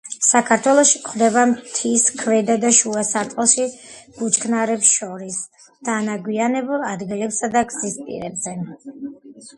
საქართველოში გვხვდება მთის ქვედა და შუა სარტყელში ბუჩქნარებს შორის, დანაგვიანებულ ადგილებსა და გზის პირებზე.